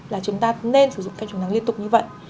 là chúng ta nên sử dụng kem chống nắng liên tục như vậy